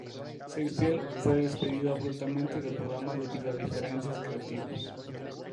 Seinfeld fue despedido abruptamente del programa debido a diferencias creativas.